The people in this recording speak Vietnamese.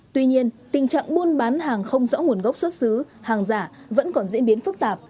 tuy nhiên tình trạng buôn bán hàng không rõ nguồn gốc xuất xứ hàng giả vẫn còn diễn biến phức tạp